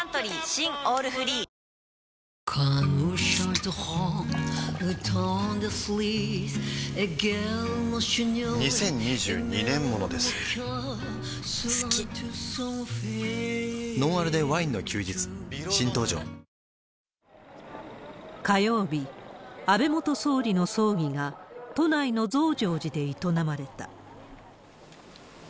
新登場ビロードのような火曜日、安倍元総理の葬儀が都内の増上寺で営まれた。